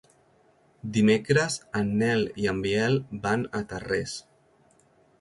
Dimecres en Nel i en Biel van a Tarrés.